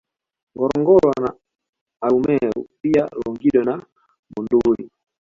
Ngorongoro na Arumeru pia Longido na Monduli